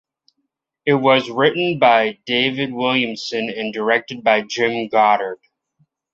It was written by David Williamson and directed by Jim Goddard.